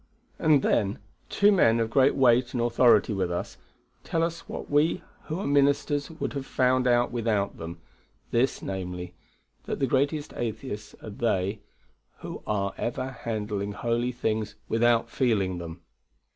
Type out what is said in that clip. And then, two men of great weight and authority with us, tell us what we who are ministers would have found out without them: this, namely, that the greatest atheists are they who are ever handling holy things without feeling them.